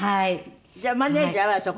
じゃあマネジャーはそこにいるの？